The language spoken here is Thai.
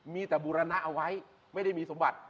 มีแต่บูรณะเอาไว้ไม่ได้มีสมบัติ